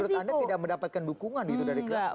jadi menurut anda tidak mendapatkan dukungan dari klas